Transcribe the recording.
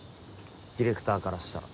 ディレクターからしたら。